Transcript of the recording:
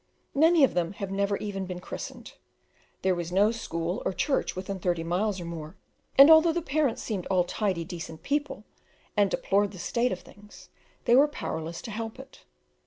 Many of them had never even been christened; there was no school or church within thirty miles or more, and although the parents seemed all tidy, decent people, and deplored the state of things, they were powerless to help it.